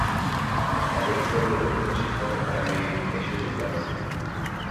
অবৈধ অভিবাসী হওয়ার কারণে দেশেও যেতে পারছেন না ।